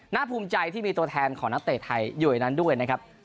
ภูมิใจที่มีตัวแทนของนักเตะไทยอยู่ในนั้นด้วยนะครับ